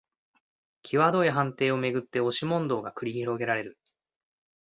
きわどい判定をめぐって押し問答が繰り広げられる